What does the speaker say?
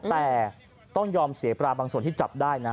แต่ต้องยอมเสียปลาบางส่วนที่จับได้นะ